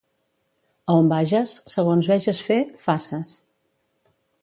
A on vages, segons veges fer, faces.